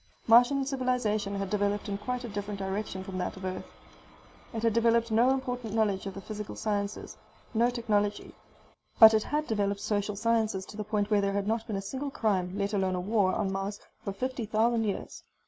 Martian civilization had developed in a quite different direction from that of Earth. It had developed no important knowledge of the physical sciences, no technology. But it had developed social sciences to the point where there had not been a single crime, let alone a war, on Mars for fifty thousand years.